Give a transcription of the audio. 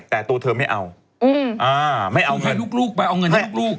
แต่ตัวเธอไม่เอาอืมอ่าไม่เอาเงินให้ลูกลูกไปเอาเงินให้ลูกลูก